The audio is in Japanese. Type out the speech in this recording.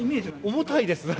重たいです。